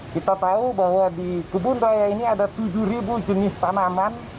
kita tahu bahwa di kebun raya ini ada tujuh jenis tanaman